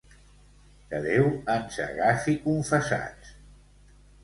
Que Déu ens agafi confessats!